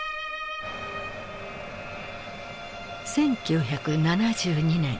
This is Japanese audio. １９７２年